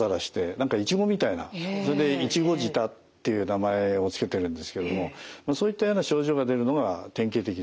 それで苺舌っていう名前を付けてるんですけれどもそういったような症状が出るのが典型的です。